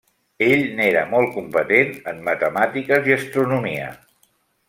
Ell n'era molt competent en matemàtiques i astronomia.